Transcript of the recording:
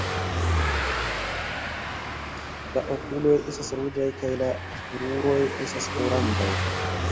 La okuloj estas ruĝaj kaj la kruroj estas oranĝaj.